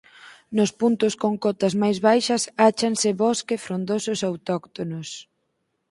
Nos puntos con cotas máis baixas áchanse bosque frondosos autóctonos.